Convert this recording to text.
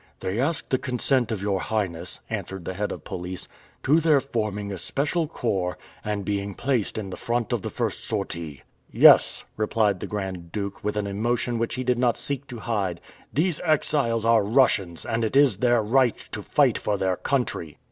"They ask the consent of your Highness," answered the head of police, "to their forming a special corps and being placed in the front of the first sortie." "Yes," replied the Grand Duke with an emotion which he did not seek to hide, "these exiles are Russians, and it is their right to fight for their country!"